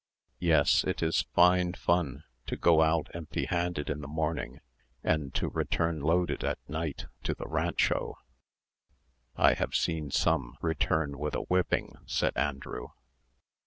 Yes, it is fine fun to go out empty handed in the morning, and to return loaded at night to the rancho." "I have seen some return with a whipping," said Andrew.